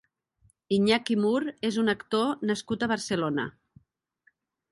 Iñaki Mur és un actor nascut a Barcelona.